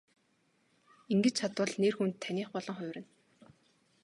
Ингэж чадвал нэр хүнд таных болон хувирна.